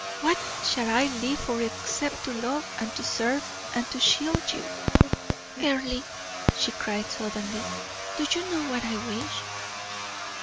What shall I live for except to love and to serve and to shield you?" "Earle," she cried suddenly, "do you know what I wish?"